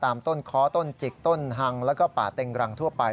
ต้นค้อต้นจิกต้นฮังแล้วก็ป่าเต็งรังทั่วไป